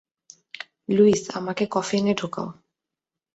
Luis, আমাকে কফিনে ঢোকাও।